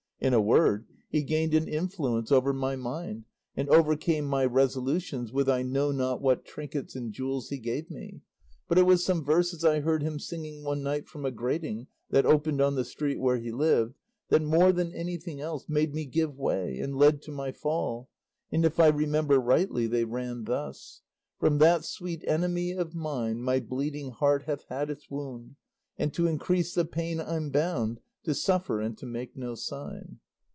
In a word, he gained an influence over my mind, and overcame my resolutions with I know not what trinkets and jewels he gave me; but it was some verses I heard him singing one night from a grating that opened on the street where he lived, that, more than anything else, made me give way and led to my fall; and if I remember rightly they ran thus: From that sweet enemy of mine My bleeding heart hath had its wound; And to increase the pain I'm bound To suffer and to make no sign.